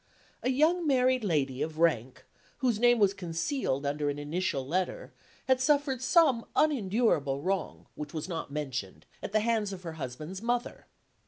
A young married lady of rank, whose name was concealed under an initial letter, had suffered some unendurable wrong (which was not mentioned) at the hands of her husband's mother.